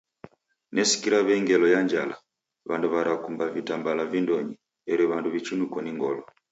Nesikira wei ngelo ya njala, wandu warakumba vitambala vindonyi eri wandu wichunuko ni ngolo.